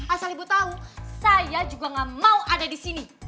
asal ibu tau saya juga ga mau ada disini